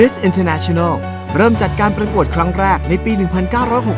สนุนโดยสถาบันความงามโย